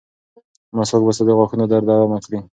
مسواک به ستا د غاښونو درد ارامه کړي.